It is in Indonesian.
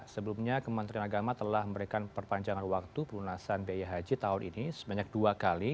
sebelumnya kementerian agama telah memberikan perpanjangan waktu pelunasan biaya haji tahun ini sebanyak dua kali